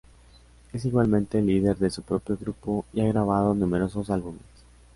Es igualmente el líder de su propio grupo y ha grabado numerosos álbumes.